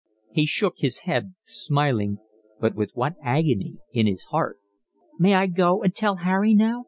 He shook his head, smiling, but with what agony in his heart! "May I go and tell Harry now?